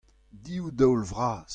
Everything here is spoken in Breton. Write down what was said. div daol vras.